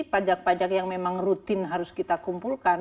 pajak pajak yang memang rutin harus kita kumpulkan